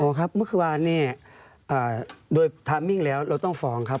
โอ้ครับเมื่อคือวานนี้โดยทามิ่งแล้วเราต้องฟ้องครับ